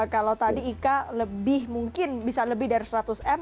kalau tadi ica lebih mungkin bisa lebih dari seratus miliar